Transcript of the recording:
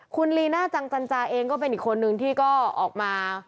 คุณลีน่าจังจันจาเองก็เป็นอีกคนนึงที่ก็ออกมา